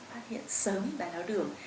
phát hiện sớm tài thao đường